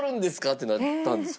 ってなったんですよ